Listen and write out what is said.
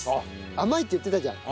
甘いって言ってたじゃん。